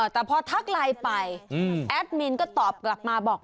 แต่พอทักไลน์ไปแอดมินก็ตอบกลับมาบอก